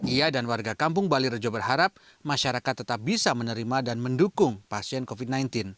ia dan warga kampung bali rejo berharap masyarakat tetap bisa menerima dan mendukung pasien covid sembilan belas